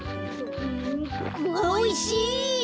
おいしい！